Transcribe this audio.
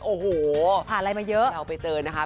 อะโหเผื่อไปเจอนะคะ